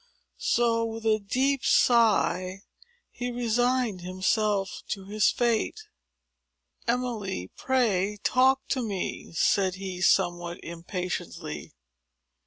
So, with a deep sigh, he resigned himself to his fate. "Emily, pray talk to me!" said he, somewhat impatiently.